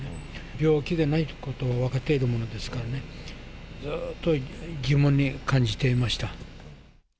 病気でないということは分かっているものですからね、ずっと疑問に感じていました。